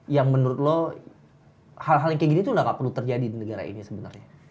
yang menurut lo hal hal yang kayak gini tuh gak perlu terjadi di negara ini sebenarnya